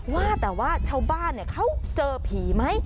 ว่าแต่ว่าชาวบ้านเขาเจอผีไหม